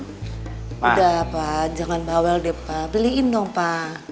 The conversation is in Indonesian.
sudah pak jangan bawel deh pak beliin dong pak